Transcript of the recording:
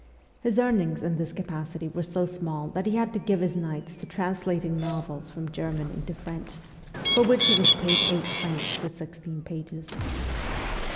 His earnings in this capacity were so small that he had to give his nights to translating novels from German into French, for which he was paid eight francs for sixteen pages.